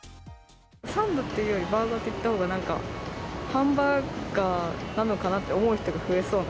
サンドっていうよりバーガーって言ったほうが、なんか、ハンバーガーなのかなって思う人が増えそう。